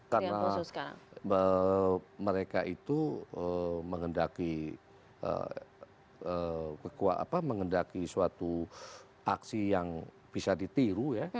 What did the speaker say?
karena mereka itu mengendaki suatu aksi yang bisa ditiru ya